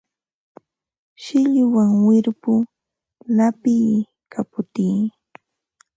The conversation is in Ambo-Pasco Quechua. Silluwan wirpu llapiy, kaputiy